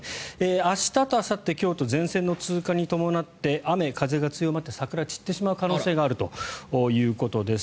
明日とあさって京都、前線の通過に伴って雨風が強まって桜、散ってしまう可能性があるということです。